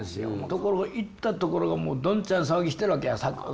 ところが行った所がもうどんちゃん騒ぎしてるわけや。